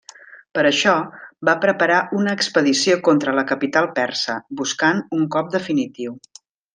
Per això, va preparar una expedició contra la capital persa, buscant un cop definitiu.